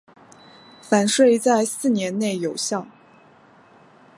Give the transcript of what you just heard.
返税在四年内有效。